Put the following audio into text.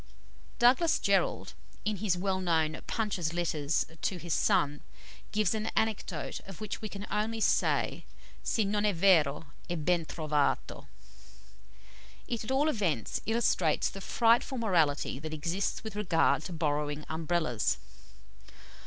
Douglas Jerrold, in his well known "Punch's Letters to his Son," gives an anecdote of which we can only say, si non è vero, è ben trovato. It at all events illustrates the frightful morality that exists with regard to borrowing Umbrellas.